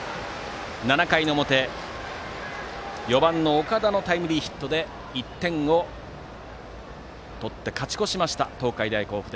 ７回の表、４番の岡田のタイムリーヒットで１点を取って勝ち越しました東海大甲府。